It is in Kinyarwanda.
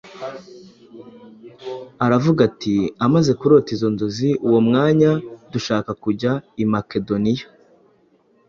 aravuga ati, “Amaze kurota izo nzozi, uwo mwanya dushaka kujya i Makedoniya,